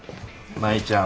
舞ちゃん